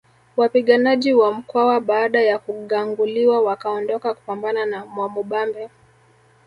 Wapiganaji wa Mkwawa baada ya kuganguliwa wakaondoka kupambana na Mwamubambe